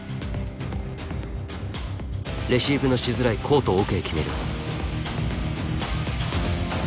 レシーブのしづらいコート奥へ決める。